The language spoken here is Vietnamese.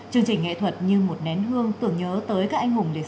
chương trình nghệ thuật như một nén hương tưởng nhớ tới các anh hùng liệt sĩ